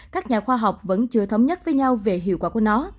các nhà khoa học vẫn chưa thống nhất với nhau về hiệu quả của nó